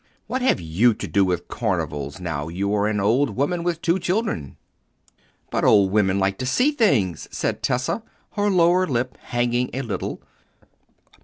What have you to do with carnivals now you are an old woman with two children?" "But old women like to see things," said Tessa, her lower lip hanging a little.